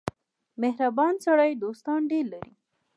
• مهربان سړی دوستان ډېر لري.